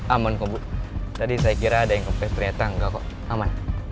aman kok bu tadi saya kira ada yang kepres ternyata enggak kok aman